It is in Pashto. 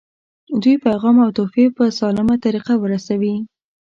دوی پیغام او تحفې په سالمه طریقه ورسوي.